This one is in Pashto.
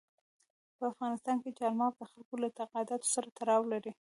په افغانستان کې چار مغز د خلکو له اعتقاداتو سره تړاو لري.